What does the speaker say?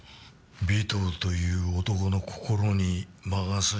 尾藤という男の心に魔が差したんだ。